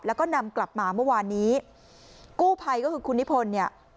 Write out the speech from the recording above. แล้วก็นำกลับมาเมื่อวานนี้กู้ภัยก็คือคุณนิพนธ์เนี่ย